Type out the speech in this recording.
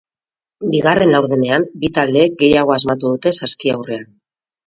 Bigarren laurdenean bi taldeek gehiago asmatu dute saski aurrean.